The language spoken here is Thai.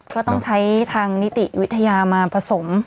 ก็ต้องใช้ทางนิติวิทยามาผสม